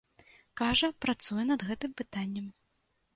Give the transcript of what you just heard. Кажа, працуе над гэтым пытаннем.